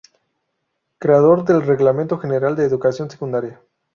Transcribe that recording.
Creador del Reglamento General de Educación Secundaria.